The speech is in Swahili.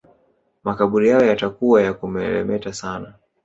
Makaburi yao yatakuwa ya kumelemeta sana